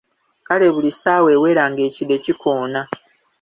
Kale buli ssaawa ewera ng’ekide kikoona.